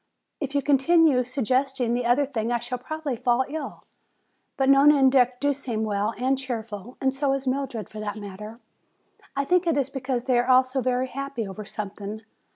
If you continue suggesting the other thing I shall probably fall ill. But Nona and Dick do seem well and cheerful, and so is Mildred for that matter. I think it is because they are all very happy over something.